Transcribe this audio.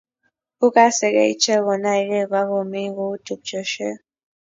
Kukukaskei ichek konaikei akomeny kou tupchoshek